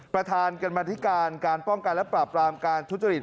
ประธานกรรมธิการการป้องกันและปราบรามการทุจริต